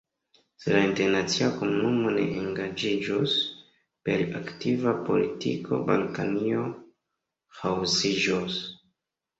Se la internacia komunumo ne engaĝiĝos per aktiva politiko, Balkanio ĥaosiĝos.